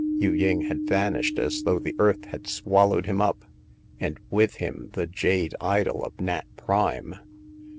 Yu ying had vanished as though the earth had swallowed him up, and with him the jade idol of Nat Prime.